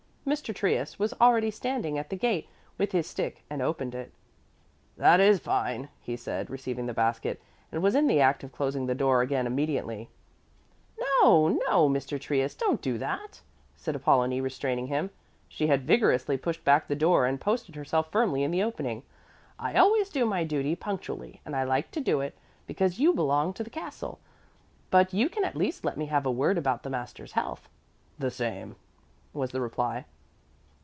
Mr. Trius was already standing at the gate with his stick and opened it. "That is fine," he said, receiving the basket, and was in the act of closing the door again immediately. "No, no, Mr. Trius, don't do that!" said Apollonie, restraining him. She had vigorously pushed back the door and posted herself firmly in the opening. "I always do my duty punctually and I like to do it because you belong to the castle. But you can at least let me have a word about the master's health." "The same," was the reply.